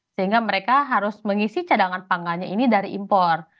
sehingga mereka harus mengisi cadangan pangannya ini dari impor